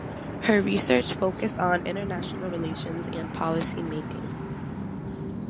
Her research focused on international relations and policymaking.